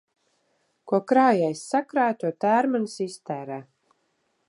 Ko krājējs sakrāj, to tērmanis iztērē.